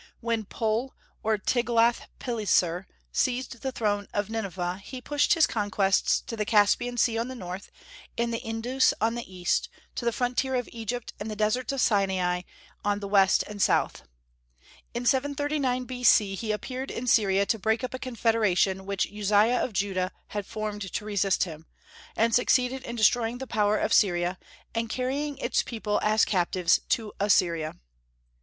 When Pul, or Tiglath pileser, seized the throne of Nineveh, he pushed his conquests to the Caspian Sea on the north and the Indus on the east, to the frontier of Egypt and the deserts of Sinai on the west and south. In 739 B.C. he appeared in Syria to break up a confederation which Uzziah of Judah had formed to resist him, and succeeded in destroying the power of Syria, and carrying its people as captives to Assyria.